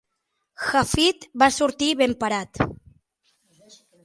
Hafid va sortir ben parat.